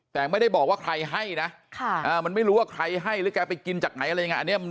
แต่ไม่ได้บอกว่าใครให้นะมันไม่รู้ว่าใครให้หรือแกไปกินจากไหนอะไรยังไง